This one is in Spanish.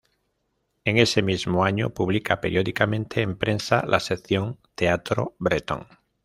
En ese mismo año publica periódicamente en prensa la sección “Teatro Bretón.